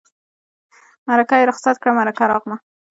مرکه یې رخصت کړه مرکه راغله.